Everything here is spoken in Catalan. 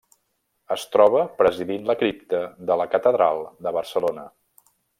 Es troba presidint la cripta de la catedral de Barcelona.